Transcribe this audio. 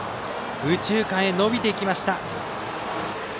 右中間へ伸びていきました。